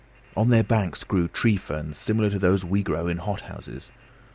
On their banks grew tree ferns similar to those we grow in hothouses.